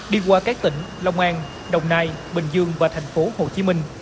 đi qua các tỉnh long an đồng nai bình dương và thành phố hồ chí minh